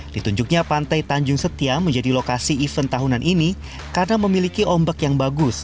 ditunjuknya pantai tanjung setia menjadi lokasi event tahunan ini karena memiliki ombak yang bagus